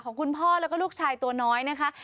คุณพ่อแล้วก็ลูกชายตัวน้อยนะคะ